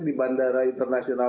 di bandara internasional